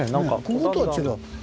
こことは違う。